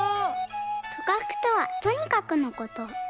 「とかく」とは「とにかく」のこと。